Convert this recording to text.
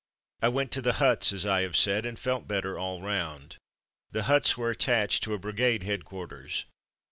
I went to the huts, as I have said, and felt better all round. The huts were attached to a brigade headquarters.